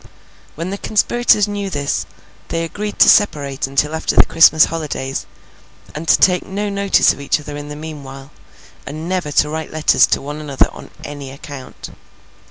When the conspirators knew this, they agreed to separate until after the Christmas holidays, and to take no notice of each other in the meanwhile, and never to write letters to one another on any account.